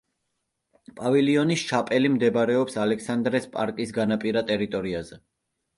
პავილიონი შაპელი მდებარეობს ალექსანდრეს პარკის განაპირა ტერიტორიაზე.